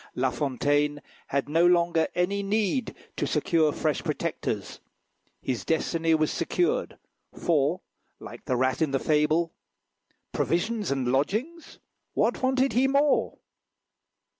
La Fontaine had no longer any need to secure fresh protectors. His destiny was secured, for, like the rat in the fable, "Provisions and lodgings! what wanted he more?"